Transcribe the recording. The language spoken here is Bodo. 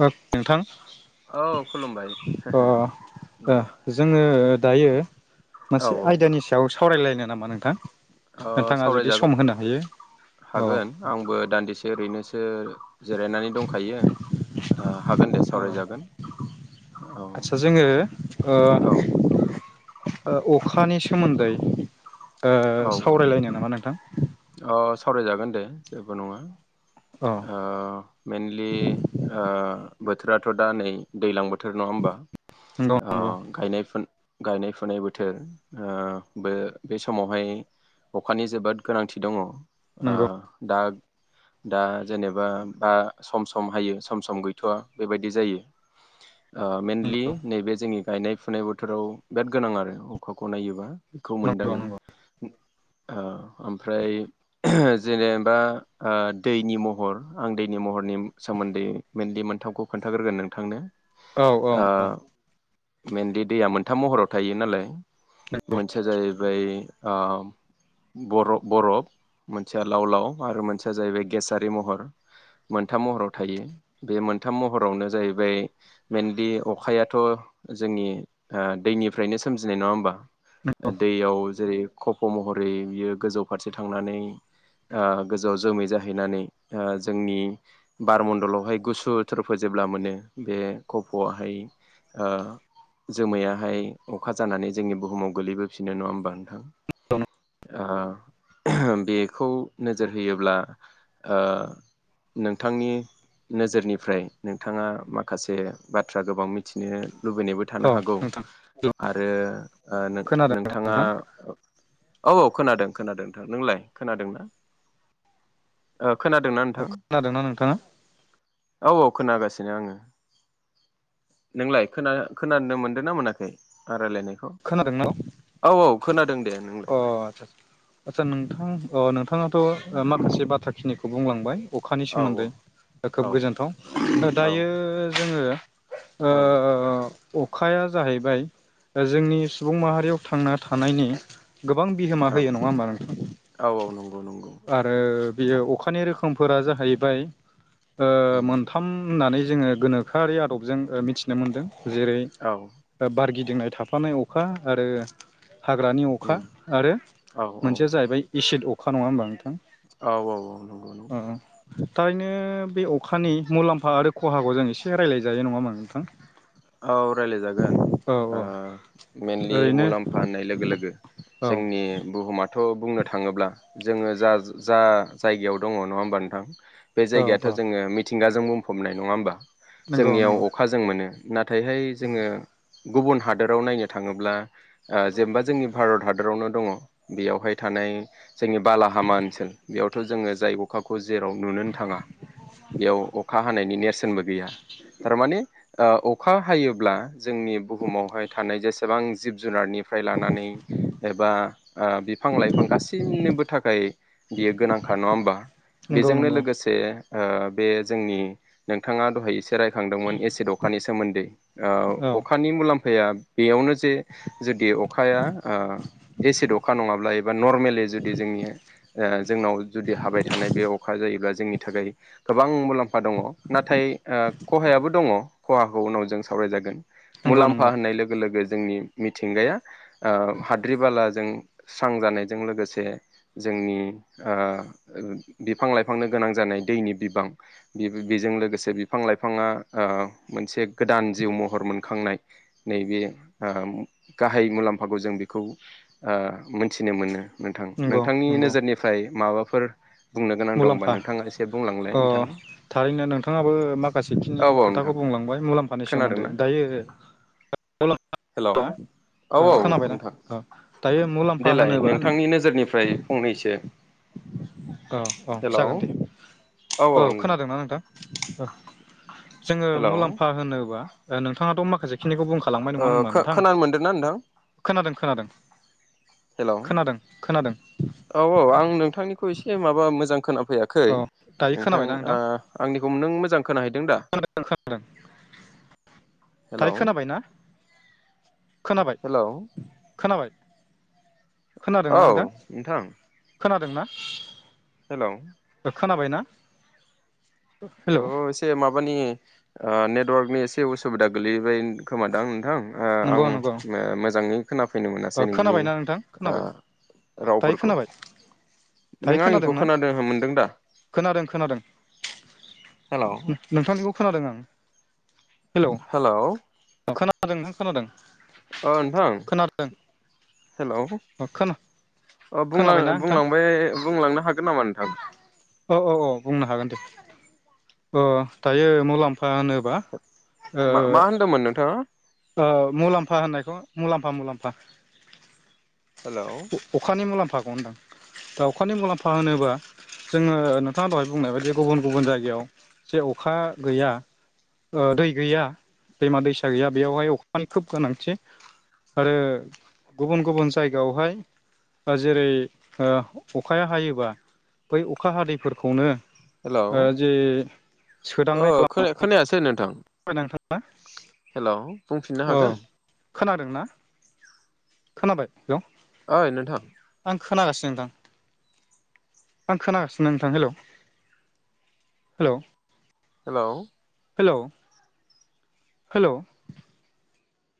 नोंथां औ खुलुमबाय अ ओ दे जोङो दायो औ मोनसे आयदानि सायाव सावरायलायनो नामा नोंथां ओ नोंथाङा जुदि सावरायजागोन सम होनो हायो। अ हागोन आंबो दान्दिसे ओरैनोसो जिरायनानै दंखायो ओ हागोन दे सावरायजागोन औ आचचा जोङो ओ औ ओ अखानि सोमोन्दै ओ औ सावरायलायनो नामा नोंथां। अ सावरायजागोन दे जेबो नंङा अ ओ मेेनलि ओ बोथोराथ दा नै दैलां बोथोर थोर नंङा होमबा नंगौ ओ नंगौ गायनाय फु गायनाय फुनाय बोथोर ओ बे बे समावहाय अखानि जोबोद गोनांथि दंङ ओ नंगौ दा दा जेनेबा बा सम सम हायो सम सम गैथवा बेबायदि जायो [unintelligible] ओ मइेनलि नंगौ नैबे जोंनि गायनाय फुनाय बोथोराव बिराद गोनां आरो अखाखौ नायोबा बेखौ नंगौ मोनदांङो नंगौ ओ ओमफ्राय जेनेबा ओ दैनि महर आं दैनि महरनि सोम सोमोन्दैे मेनलि मोनथामखौ खोन्थाग्रोगोन नोंथांनो औ औ ओ औ मेेनलि दैया मोनथाम महराव थायो नालाय नंगौ मोनसेया जाहैबाय ओ बर-बरफ मोनसेया लाव लाव आरो मोनसेया जाहैबाय गेसारि महर मोनथाम महराव थायो बे मोनथाम महरावनो जाहैबाय मेनलि अखायाथ जोंनि ओ दैनिफ्रायनो सोमजिनाय नंङा होमबा नंगौ दैयाव जेरै खफ महरै बियो गोजौ फारसे थांनानै आ गोजौआव जोमै जाहैनानै ओ जोंनि बारमण्डलावहाय गुसु थोरफोजोब जेब्ला मोनो बे कफआहाय ओ जोमैयाहाय अखा जानानै जोंनि बुहुमाव गोलैबोफिननो नंङा होमबा [inaudible] ओ बेखौ नोजोर होयोब्ला ओ नोंथांनि नोजोरनिफ्राय नोंथाङा माखासे बाथ्रा गोबां मिथिनो लुबैनायबो थानो औ हागौ नोंथां आरो नों खोनादों नोंथाङा नोंथां औ औ खोनादों खोनादों नोंथां नोंलाय खोनादों ना अ खोनादोंना नोंथाङा औ औ खोनागासिनो आंङो नोंलाय खोना खोनानो मोनदों ना मोनाखै आं रालायनाय खौ खोनादोंना औ औ खोनादों दे नोंलाय आचसा नोंथां अ नोंथाङाथ‌ ओ माखासे बाथ्राखिनिखौ बुंलांबाय अखानि औ सोमोन्दै खोब औ गोजोनथाव औ दायो जोंङो औ ओ अखाया जाहैबाय जोंनि सुबुं माहारियाव थांना थानायनि गोबां बिहोमा औ होयो नंङा होमबा नोंथां औ औ नंगौ नंगौ आरो बियो अखानि रोखोमफोरा जाहैबाय ओ उम मोनथाम होननानै जोंङो गोनोखोआरि आदबजों मिथिनो मोनदों जेरै औ बारगिदिंनाय था फानाय अखा आरो हाग्रानि अखा उम आरो औ मोनसेया जाहैबाय एसिद अ खा नंङा होनबा औ औ औ नंगौ नंगौ थारैनो बे अखानि मुलाम्फा आरो खहाखौ जों एसे रायलाय जायो नंङा होमबा नोंथां औ रायलायजागोन औ ओ औ मेनलि ओरैनो मुलाम्फा होननाय लोगो लोगो औ जोंनि बुहुमा थ बुंनो थांङोब्ला जोंङो जा जा जायगायाव दङ नङा होमबा नोंथां बे औ जायगायाथ' औ जोंङो मिथिंगाजों बुंफबनाय नंङा होमबा नंगौ जोंनियाव नंगौ अखा जों मोनो नाथायहाय औ जोंङो गुबुन हादोराव नायनो थांङोब्ला आ जेनेबा जोंनि भारत हाद रावनो दंङ बेयावहाय थानाय जोंनि बालाहामा ओनसोल बेयावथ जोंङो जाय अखाखौ जों जेराव नुनोनो थांङा बेयाव अखा हानायनि नेर सोनबो गैया थारमाने ओ अखा हायोब्ला जोंनि बुहुमावहाय थानाय जेसे बां जिब जुनारनिफ्राय लानानै एबा ओ बिफां लाइफां गासैनोबो थाखाय बियो गोनांखा नङा होमबा नंगौ बेजोंनो नंगौ लोगोसे ओ बे जोंनि नोंथाङा दहाय एसे रायखांदोंमोन एसिड अखानि सोमोन्दै औ ओ अखानि मुलाम फाया बेयावनो जे जुदि अखाया ओ एसिड अखा नङाब्ला एबा नर्मेलि जुदि जोंनि ओ जोंनाव जुदि हाबाय थानाय बे अखा जायोब्ला जोंनि थाखाय गोबां मुलाम फा दङ'। नाथाय ओ खहायाबो दङ'। खहाखौ उनाव जों सावरायजागोन। नंगौ मुलाम्फा नंगौ होननाय लोगो लोगो जोंनि मिथिंगाया ओ हाद्रि बालाजों स्रां जानायजों लोगोसे जो जोंनि आ बिफां लाइफांनो गोनां जानाय दैनि बिबां बेबो बेजों लो गोसे बिफां लाइफाङा ओ मोनसे गोदान जिउ महर मोनखांनाय नैबे ओ गाहाय मुलाम्फाखौ जों बेखौ ओ मोनथिनो मोनो। नोंथां। नंगौ नोंथांनि नंगौ नोजोरनिफ्राय माबाफोर बुंनो गोनां दंबा मुलाम्फा नोंथाङा एसे बुंलांलाय अ नोंथां थारैनो नोंथाङाबो माखासेखिनि औ औ नोंथां खोथाखौ बुं लांबाय मुलाम्फानि सोमोन्दै। खोनादोंना दायो हेलौ। मुलाम्फा औ ओ औ खोनाबायना नोंथां। औ दायो मुलाम्फा देलाय होनोबा नोंथांनि नोजोरनिफ्राय फंनैसो औ औ हेलौ जागोन दे। औ खोनादों ना नोंथां? जोङो हेलौ मुलाम्फा होनोबा ओ नों थाङाथ' माखासे खिनिखौ बुंखालांबाय नङा ओ होनबा नोंथां? खोनानो मोनदोंना नोंथां खोनादों खोनादों। हेलौ खोनादों खोनादों औ औ आं नोंथांनि खौ एसे माबा मोजां खोनाफैयाखै औ दायो नोंथां खोनाबायना नोंथां ओ आंनिखौ नों मोजां खोनाहैदों दा? खोनादों खोनादों दायो हेलौ खोनाबाय ना खोनाबाय हेलौ खोनाबाय औ नोंथां। खोनादों ना? हेलौ खोनाबाय ना? औ एसे माबानि ओ नेटवार्कनि एसे उसुबिदा गोलैबाय खोमादां नोंथां ओ आं नंगौ नंगौ ओ मोजाङै खोनाफैनो ओ मोनासै नोंनि खोनाबायना नोंथां ओ खोनाबाय दायो रावफोरखौ। खोनाबाय नों दायो आंनिखौ खोनादोंना खोनादों मोनदों दा? हेलौ ओम नोंथांनिखौ खोनादों आं। हेलौ ओ खोनादों नोंथां खोनादों। अ नोंथां। [unintelligible] हेलौ अ खोना अ बुलां खोनाबायना नोंथां बुंलांबाय बुंलांनो हागोन नामा नोंथां? औ औ औ बुंनो हागोन दे। ओ दायो मुलाम फा होनोबा ओ मा मा होनदोंमोन नोंथाङा? ओ मुलाम्फा होननायखौ मुलाम्फा मुलाम्फा हेलौ अ अखानि मुलाम्फाखौ होनदां। दा अखानि मुलाम्फा होनोबा जोङो नोंथां दहाय बुंनाय बायदि गुबुन गुबुन जायगायाव जे अखा गैया ओ दै गैया दैमा दैसा गैया बेयावहाय अखानि खोब गोनांथि। आरो गुबुन गुबुन जायगायावहाय ओ जेरै ओ अखाया हायोबा बै अखा हादैफोरखौनो हेलौ ओ जे ओ सोदांनाय खालाम खोना [unintelligible] [unintelligible] हेल' बुंफिननो हागोन? खोनादों ना? खोनाबाय [unintelligible] ओइ नोंथां आं खोनागासिनो दं आं खोनागासिनो नोंथां हेल' [inaudible] हेल' हेल' हेल' हेल'